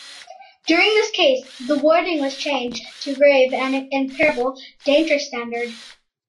During this case, the wording was changed to the grave and irreparable danger standard.